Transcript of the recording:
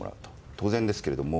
当然ですけれども。